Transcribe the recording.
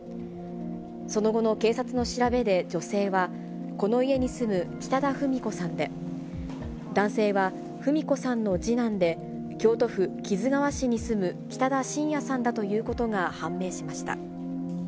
その後の警察の調べで、女性はこの家に住む北田二三子さんで、男性は二三子さんの次男で、京都府木津川市に住む北田伸也さんだということが判明しました。